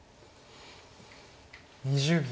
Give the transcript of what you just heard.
２０秒。